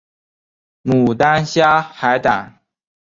牡丹虾海胆